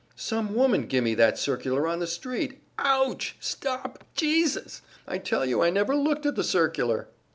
"Some woman gimme that circular on the street! Ouch! Stop! Jesus! I tell you I never looked at the circular!"